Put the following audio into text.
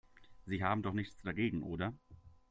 Sie haben doch nichts dagegen, oder?